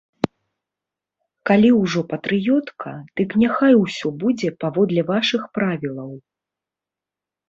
Калі ўжо патрыётка, дык няхай усё будзе паводле вашых правілаў.